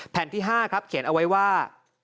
แผ่นที่๕ครับเขียนเอาไว้ว่า